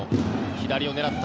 左を狙った。